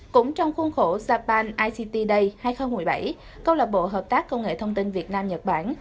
cũng trong khuôn khổ sapan ict day hai nghìn một mươi bảy câu lạc bộ hợp tác công nghệ thông tin việt nam nhật bản